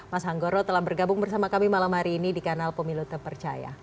mas hanggoro telah bergabung bersama kami malam hari ini di kanal pemilu terpercaya